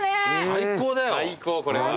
最高これは。